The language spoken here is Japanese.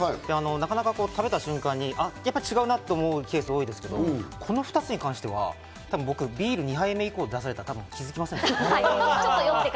なかなか食べた瞬間にやっぱ違うなって思うケースが多いんですけど、この２つに関しては、僕、ビール２杯目以降出されたら多分気づきません。